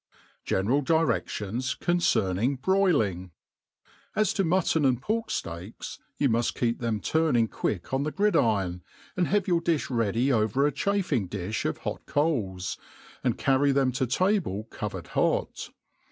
Qeneral Diredions concerning Broiling, AS to mutton and pork fteaks, you muft keep them turn«« ing quick on the gridiron, and have your difh ready over 4 chaffing di(h of bpt coals, and parry them to table covered hot.